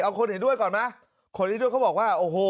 เอาคนเห็นด้วยก่อนไหมคนเห็นด้วยเขาบอกว่าโอ้โห